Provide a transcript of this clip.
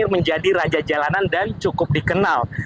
menjadi raja jalanan dan cukup dikenal